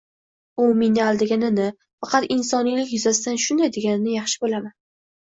U meni aldaganini, faqat insoniylik yuzasidan shunday deganini yaxshi bilaman